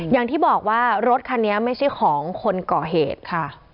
อย่างที่บอกว่ารถคันนี้ไม่ใช่ของคนก่อเหตุค่ะ